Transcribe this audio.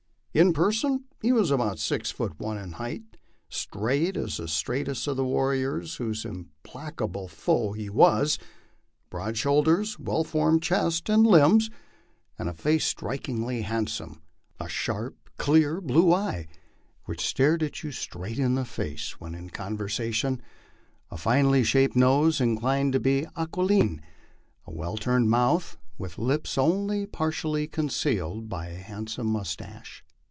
In person he was about six feet one in height, straight as the straightest of the warriors whose implacable foe he was ; broad shoulders, well formed chest and limbs, 84 MY LIFE ON THE PLAINS. and a face strikingly handsome ; a sharp, clear, blue eye, which stared you straight in the face when in conversation ; a finely shaped nose, inclined to be aqniline ; a well turned mouth, with lips only partially concealed by a handsome moustache.